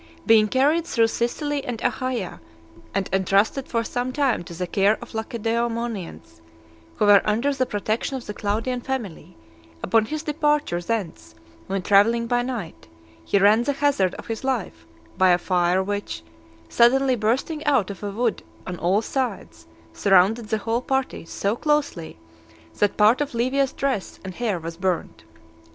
Being carried through Sicily and Achaia, and entrusted for some time to the care of the Lacedaemonians, who were under the protection of the Claudian family, upon his departure thence when travelling by night, he ran the hazard of his life, by a fire which, suddenly bursting out of a wood on all sides, surrounded the whole party so closely, that part of Livia's dress and hair was burnt.